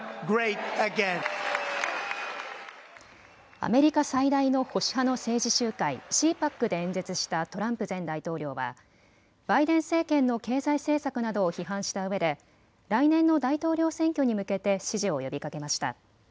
アメリカ最大の保守派の政治集会、ＣＰＡＣで演説したトランプ前大統領はバイデン政権の経済政策などを批判したうえで来年の大統領選挙に向けて支持を呼びかけました。